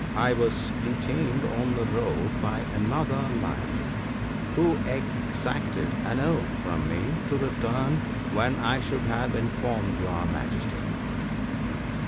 I was detained on the road by another lion, who exacted an oath from me to return when I should have informed your Majesty.'